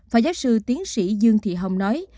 phó giáo sư tiến sĩ dương thị hồng nói